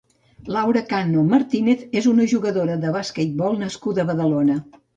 Laura Cano Martínez és una jugadora de basquetbol nascuda a Badalona.